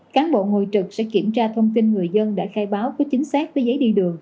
cán bộ ngồi trực sẽ kiểm tra thông tin người dân đã khai báo có chính xác với giấy đi đường